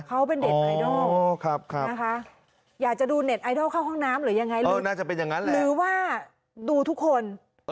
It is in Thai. เขาเป็นเน็ตไอดอลนะคะอยากจะดูเน็ตไอดอลเข้าห้องน้ำหรือยังไงหรือว่าดูทุกคน